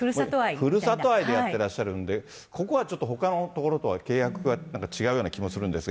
ふるさと愛でやってらっしゃるんで、ここはちょっとほかの所とは契約がなんか違うような気がするんですが。